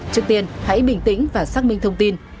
trước tiên hãy bình tĩnh và xác minh thông tin